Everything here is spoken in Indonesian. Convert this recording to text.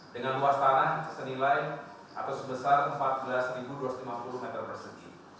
dengan luas tanah senilai atau sebesar empat belas dua ratus lima puluh meter persegi